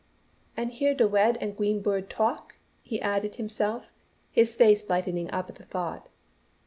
"An' hear the wed and gween bird talk!" he added himself, his face lighting up at the thought.